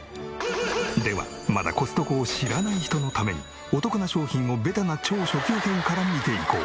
ではまだコストコを知らない人のためにお得な商品をベタな超初級編から見ていこう。